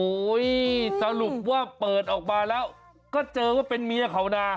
สรุปว่าเปิดออกมาแล้วก็เจอว่าเป็นเมียเขานะ